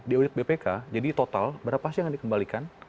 di audit bpk jadi total berapa sih yang dikembalikan